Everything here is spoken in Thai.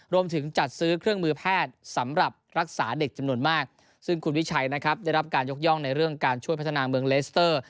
รวมถึงจัดซื้อเครื่องมือแพทย์สำหรับรักษาเด็กจำนวนมากซึ่งคุณวิชัยนะครับได้รับการยกย่องในเรื่องการช่วยพัฒนาเมืองเลสเตอร์